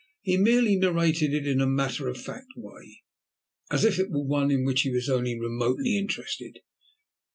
He merely narrated it in a matter of fact way, as if it were one in which he was only remotely interested.